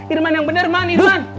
irman yang bener maen irman